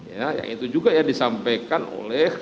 ya yang itu juga ya disampaikan oleh